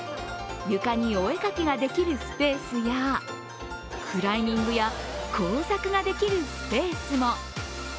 床にお絵かきができるスペースやクライミングや工作ができるスペースも。